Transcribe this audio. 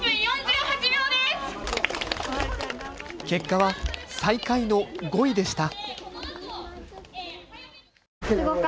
結果は最下位の５位でした。